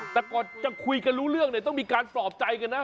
แต่ก่อนจะคุยกันรู้เรื่องเนี่ยต้องมีการปลอบใจกันนะ